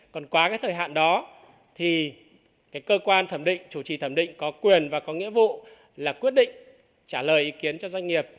còn quá cái thời hạn đó thì cơ quan thẩm định chủ trì thẩm định có quyền và có nghĩa vụ là quyết định trả lời ý kiến cho doanh nghiệp